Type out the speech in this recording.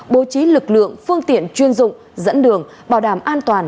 bố trí lực lượng phương tiện chuyên dụng dẫn đường bảo đảm an toàn